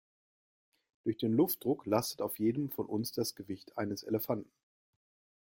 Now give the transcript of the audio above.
Durch den Luftdruck lastet auf jedem von uns das Gewicht eines Elefanten.